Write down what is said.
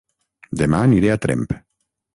Dema aniré a Tremp